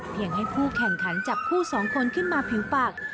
ให้ผู้แข่งขันจับคู่สองคนขึ้นมาผิวปาก